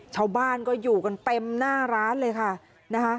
ชาวบ้านก็อยู่กันเต็มหน้าร้านเลยค่ะนะคะ